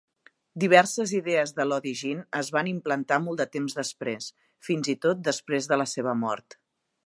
Diverses idees de Lodygin es van implantar molt de temps després, fins i tot després de la seva mort.